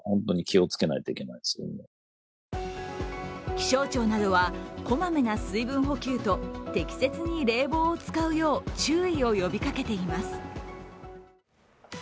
気象庁などは、こまめな水分補給と適切に冷房を使うよう注意を呼びかけています。